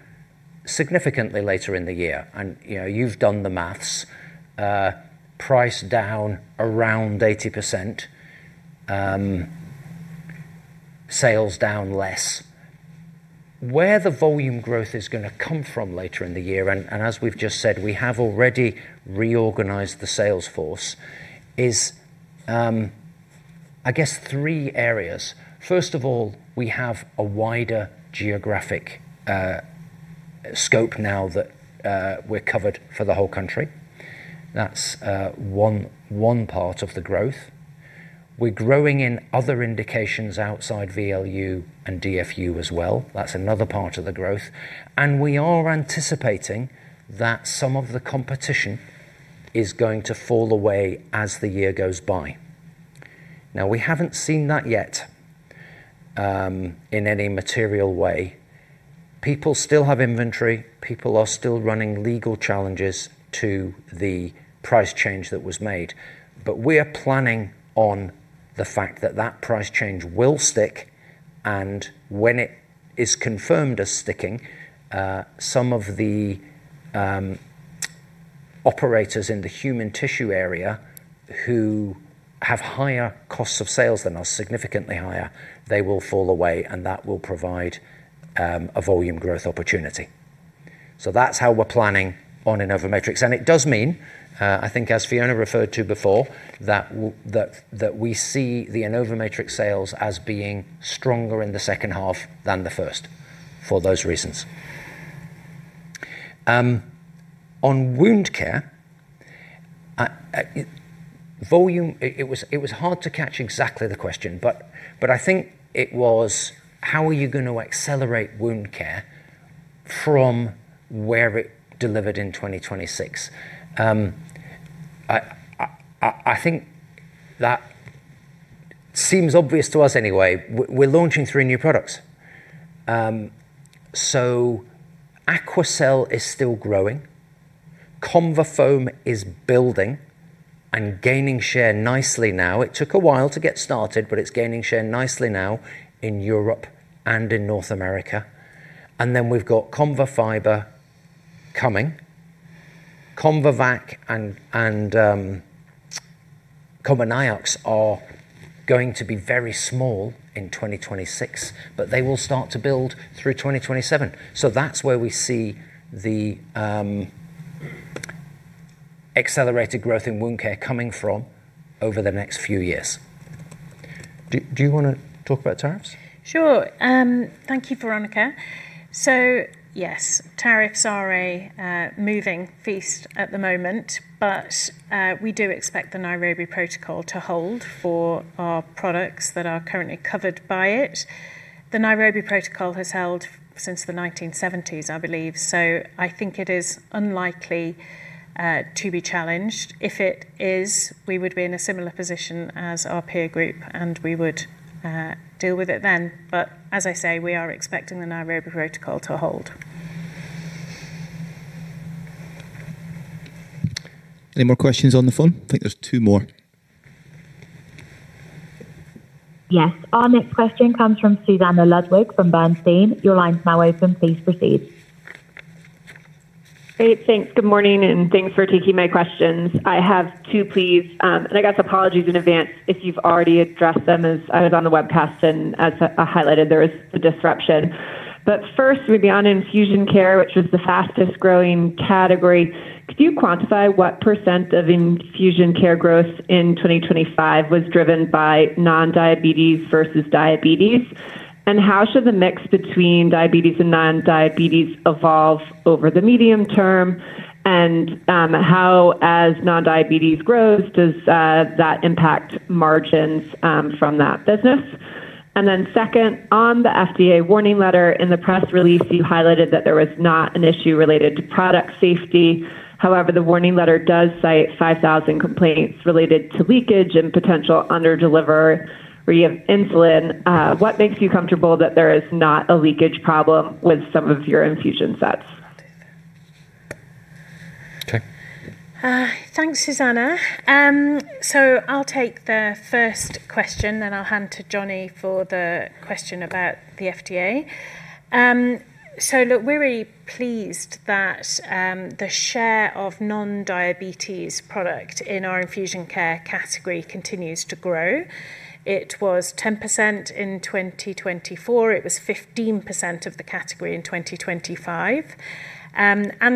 significantly later in the year. You know, you've done the maths. Price down around 80%, sales down less. Where the volume growth is gonna come from later in the year, and as we've just said, we have already reorganized the sales force, is I guess 3 areas. First of all, we have a wider geographic scope now that we're covered for the whole country. That's 1 part of the growth. We're growing in other indications outside VLU and DFU as well. That's another part of the growth. We are anticipating that some of the competition is going to fall away as the year goes by. Now, we haven't seen that yet, in any material way. People still have inventory. People are still running legal challenges to the price change that was made. We are planning on the fact that that price change will stick, and when it is confirmed as sticking, some of the operators in the human tissue area who have higher costs of sales than us, significantly higher, they will fall away, and that will provide a volume growth opportunity. That's how we're planning on InnovaMatrix, and it does mean, I think as Fiona referred to before, that we see the InnovaMatrix sales as being stronger in the second half than the first, for those reasons. On wound care volume, it was hard to catch exactly the question, but I think it was: How are you going to accelerate wound care from where it delivered in 2026? I think that seems obvious to us anyway. We're launching 3 new products. AQUACEL is still growing. ConvaFoam is building and gaining share nicely now. It took a while to get started, but it's gaining share nicely now in Europe and in North America. We've got ConvaFiber coming. ConvaVAC and ConvaNiox are going to be very small in 2026, but they will start to build through 2027. That's where we see the accelerated growth in wound care coming from over the next few years. Do you wanna talk about tariffs? Sure. Thank you, Veronika. Yes, tariffs are a moving feast at the moment, but we do expect the Nairobi Protocol to hold for our products that are currently covered by it. The Nairobi Protocol has held since the 1970s, I believe, so I think it is unlikely to be challenged. If it is, we would be in a similar position as our peer group, and we would deal with it then. As I say, we are expecting the Nairobi Protocol to hold. Any more questions on the phone? I think there's two more. Yes. Our next question comes from Susannah Ludwig from Bernstein. Your line is now open. Please proceed. Great. Thanks. Good morning, thanks for taking my questions. I have two, please. I guess apologies in advance if you've already addressed them, as I was on the webcast and as I highlighted, there was the disruption. First, would be on Infusion Care, which is the fastest growing category. Could you quantify what % of infusion care growth in 2025 was driven by non-diabetes versus diabetes? How should the mix between diabetes and non-diabetes evolve over the medium term? How, as non-diabetes grows, does that impact margins from that business? Second, on the FDA warning letter, in the press release, you highlighted that there was not an issue related to product safety. However, the warning letter does cite 5,000 complaints related to leakage and potential under-deliver re: insulin. What makes you comfortable that there is not a leakage problem with some of your infusion sets? Okay. Thanks, Susannah. I'll take the first question, then I'll hand to Jonny for the question about the FDA. Look, we're really pleased that the share of non-diabetes product in our infusion care category continues to grow. It was 10% in 2024, it was 15% of the category in 2025.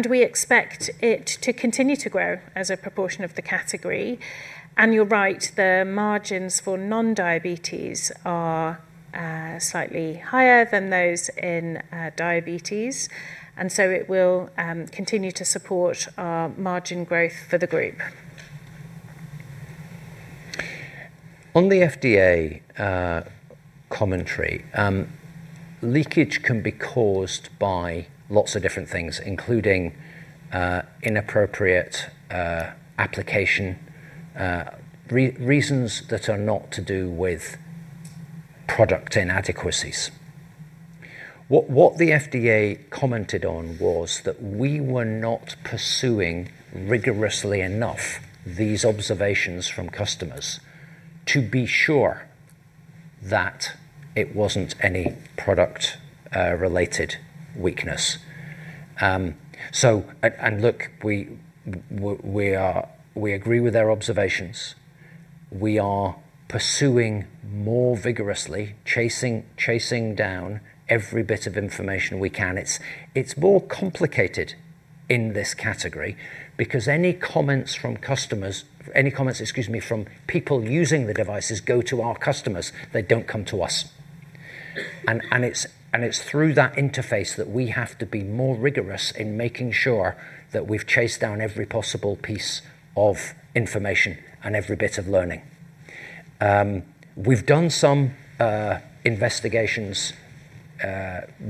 We expect it to continue to grow as a proportion of the category. You're right, the margins for non-diabetes are slightly higher than those in diabetes, and so it will continue to support our margin growth for the group. On the FDA commentary, leakage can be caused by lots of different things, including inappropriate application, reasons that are not to do with product inadequacies. What the FDA commented on was that we were not pursuing rigorously enough these observations from customers to be sure that it wasn't any product related weakness. Look, we are, we agree with their observations. We are pursuing more vigorously, chasing down every bit of information we can. It's more complicated in this category because any comments from customers, any comments, excuse me, from people using the devices go to our customers. They don't come to us. It's through that interface that we have to be more rigorous in making sure that we've chased down every possible piece of information and every bit of learning. We've done some investigations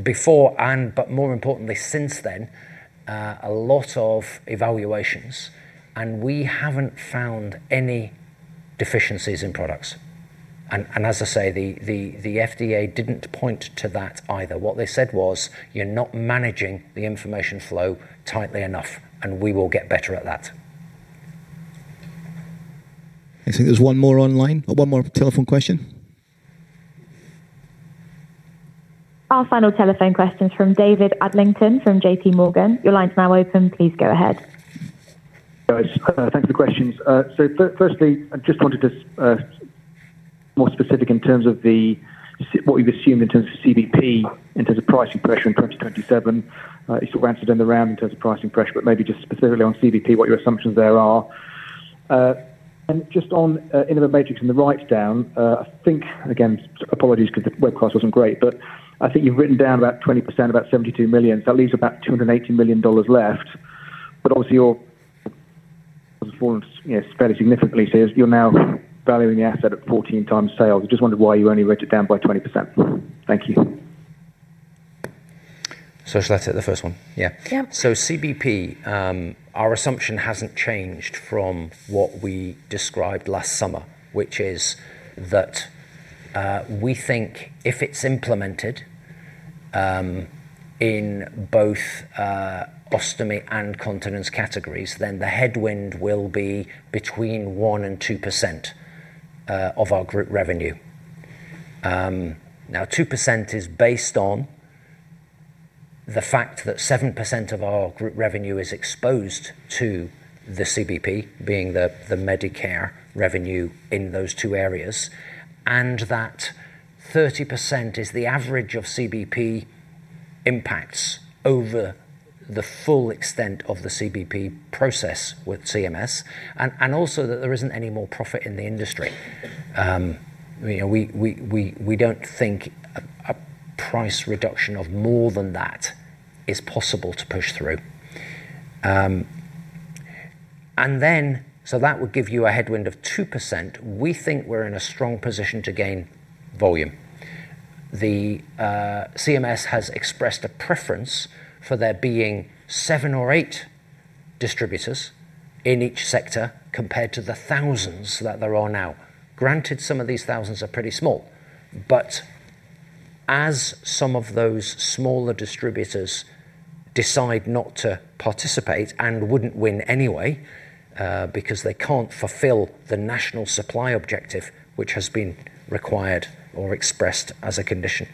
before and, but more importantly, since then, a lot of evaluations, and we haven't found any deficiencies in products. As I say, the FDA didn't point to that either. What they said was, "You're not managing the information flow tightly enough," and we will get better at that. I think there's one more online, or one more telephone question. Our final telephone question is from David Adlington, from JP Morgan. Your line's now open. Please go ahead. Thanks for the questions. firstly, I just wanted to, more specific in terms of what you've assumed in terms of CBP, in terms of pricing pressure in 2027. You sort of answered in the round in terms of pricing pressure, but maybe just specifically on CBP, what your assumptions there are. And just on InnovaMatrix and the write down, I think, again, apologies because the webcast wasn't great, but I think you've written down about 20%, about $72 million. That leaves about $280 million left. Obviously, your... has fallen, yes, fairly significantly, so you're now valuing the asset at 14 times sales. I just wondered why you only wrote it down by 20%. Thank you. Should I take the first one? Yeah. Yeah. CBP, our assumption hasn't changed from what we described last summer, which is that we think if it's implemented in both ostomy and continence categories, then the headwind will be between 1% and 2% of our group revenue. Now, 2% is based on the fact that 7% of our group revenue is exposed to the CBP, being the Medicare revenue in those two areas, and that 30% is the average of CBP impacts over the full extent of the CBP process with CMS, and also that there isn't any more profit in the industry. You know, we don't think a price reduction of more than that is possible to push through. That would give you a headwind of 2%. We think we're in a strong position to gain volume. The CMS has expressed a preference for there being 7 or 8 distributors in each sector, compared to the thousands that there are now. Granted, some of these thousands are pretty small, but as some of those smaller distributors decide not to participate and wouldn't win anyway because they can't fulfill the national supply objective, which has been required or expressed as a condition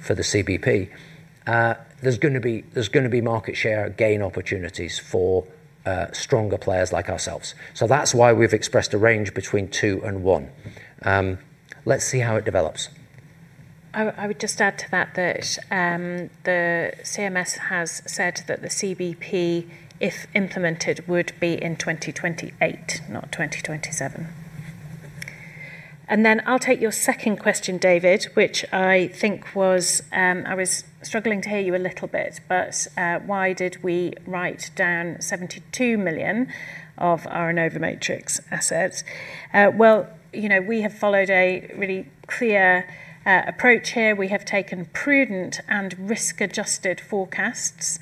for the CBP, there's gonna be market share gain opportunities for stronger players like ourselves. That's why we've expressed a range between 2 and 1. Let's see how it develops. I would just add to that the CMS has said that the CBP, if implemented, would be in 2028, not 2027. I'll take your second question, David, which I think was I was struggling to hear you a little bit, but why did we write down $72 million of our InnovaMatrix assets? Well, you know, we have followed a really clear approach here. We have taken prudent and risk-adjusted forecasts.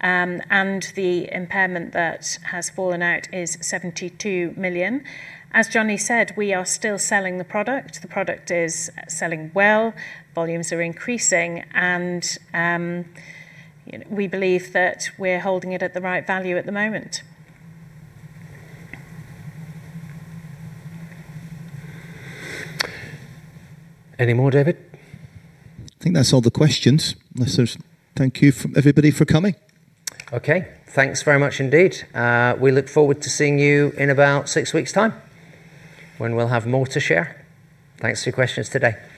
The impairment that has fallen out is $72 million. As Jonny said, we are still selling the product. The product is selling well, volumes are increasing, and we believe that we're holding it at the right value at the moment. Any more, David? I think that's all the questions. Thank you, everybody, for coming. Okay. Thanks very much indeed. We look forward to seeing you in about six weeks time, when we'll have more to share. Thanks for your questions today.